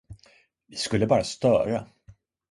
Vi skulle bara störa.